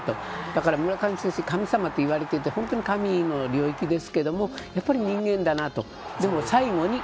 だから村上選手神様なんて言われていて神の領域ですけどやっぱり人間だなと。